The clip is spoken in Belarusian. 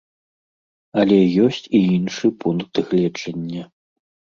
Але ёсць і іншы пункт гледжання.